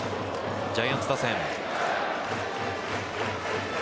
ジャイアンツ打線。